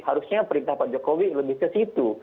harusnya perintah pak jokowi lebih ke situ